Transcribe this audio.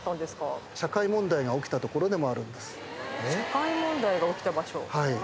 社会問題が起きた場所。